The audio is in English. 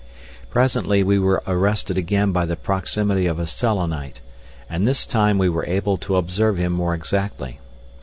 Presently we were arrested again by the proximity of a Selenite, and this time we were able to observe him more exactly.